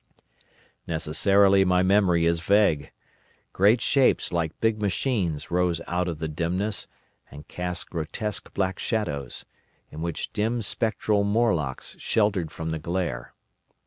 "Necessarily my memory is vague. Great shapes like big machines rose out of the dimness, and cast grotesque black shadows, in which dim spectral Morlocks sheltered from the glare.